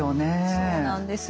そうなんです。